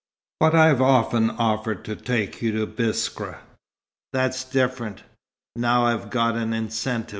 "But I've often offered to take you to Biskra." "That's different. Now I've got an incentive."